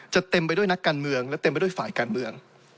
เต็มไปด้วยนักการเมืองและเต็มไปด้วยฝ่ายการเมือง